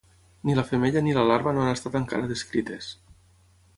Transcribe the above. Ni la femella ni la larva no han estat encara descrites.